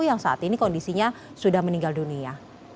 yang saat ini kondisinya sudah meninggal dunia